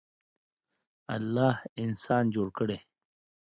الله انسان جوړ کړی.